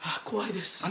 怖いです。